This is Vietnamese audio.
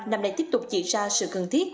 năm nay tiếp tục chỉ ra sự cần thiết